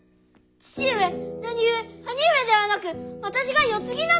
父上なにゆえ兄上ではなく私が世継ぎなのですか？